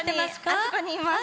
あそこにいます。